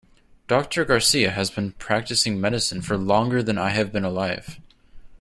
Doctor Garcia has been practicing medicine for longer than I have been alive.